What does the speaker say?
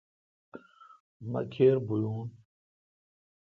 مہ کھیربؤون۔